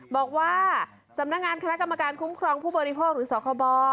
บอกว่าสำนักงานคณะกรรมการคุ้มครองผู้บริโภคหรือสคบ